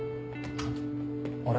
あれ？